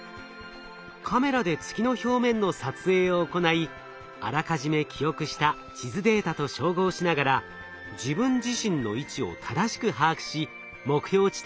カメラで月の表面の撮影を行いあらかじめ記憶した地図データと照合しながら自分自身の位置を正しく把握し目標地点へと移動します。